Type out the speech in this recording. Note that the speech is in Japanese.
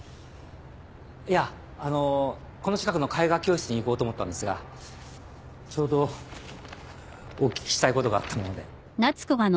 いやあのこの近くの絵画教室に行こうと思ったんですがちょうどお聞きしたいことがあったもので。